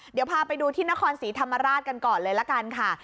เดี๋ยวพาไปดูที่นครศรีธรรมราชกันก่อนเลยละกันค่ะ